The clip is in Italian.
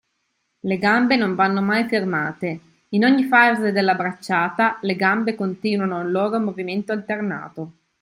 Le gambe non vanno mai fermate, in ogni fase della bracciata le gambe continuano il loro movimento alternato.